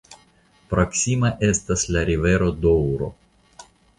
Proksima estas la rivero Doŭro.